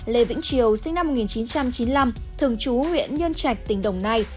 lê vĩnh triều sinh năm một nghìn chín trăm chín mươi năm thường chú huyện nhân trạch tỉnh đồng nai